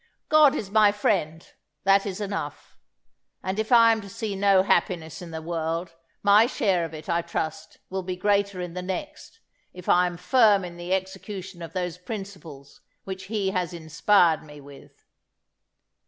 "God is my Friend that is enough; and, if I am to see no happiness in this world, my share of it, I trust, will be greater in the next, if I am firm in the execution of those principles which He has inspired me with."